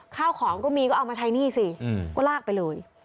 ข้าวของก็มีก็เอามาใช้หนี้สิก็ลากไปเลย